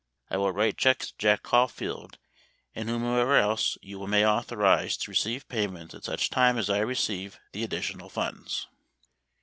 I will write checks to Jack Caulfield and whomever else you may authorize to receive payments at such time as I receive the additional funds.